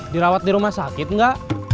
dirawat di rumah sakit nggak